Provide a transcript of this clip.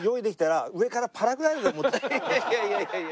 いやいやいやいや。